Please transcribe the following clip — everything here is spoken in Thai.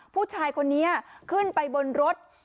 ผู้ชายคนนี้ขึ้นไปบนรถ